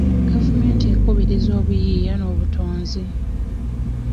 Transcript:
Gavumenti ekubiriza obuyiiya n'obutonzi.